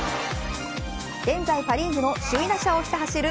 現在パ・リーグの首位打者をひた走る